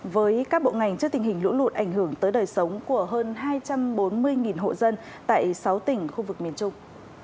với các bộ ngành trước tình hình lũ lụt ảnh hưởng tới đời sống của hơn hai trăm bốn mươi hộ dân tại sáu tỉnh khu vực miền trung